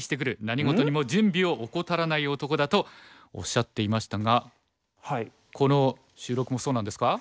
何事にも準備を怠らない男だ」とおっしゃっていましたがこの収録もそうなんですか？